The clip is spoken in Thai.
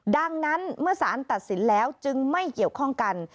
ดังนั้นเมื่อสารตัดสินแล้วจึงไม่เกี่ยวข้องกัน